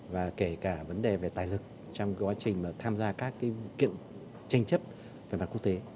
và kể cả vấn đề về tài lực trong quá trình tham gia các tranh chấp về mặt quốc tế